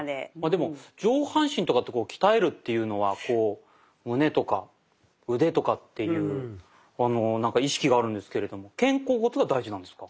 でも上半身とかって鍛えるっていうのはこう胸とか腕とかっていう意識があるんですけれども肩甲骨が大事なんですか？